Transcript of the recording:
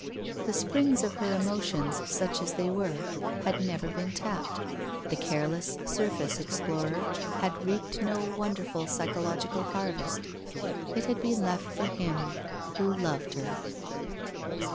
The springs of her emotions, such as they were, had never been tapped; the careless surface explorer had reaped no wonderful psychological harvest. It had been left for him, who loved her.